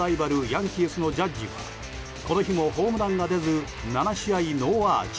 ヤンキースのジャッジはこの日もホームランが出ず７試合ノーアーチ。